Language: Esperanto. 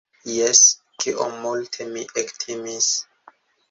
Jes, kiom multe mi ektimis!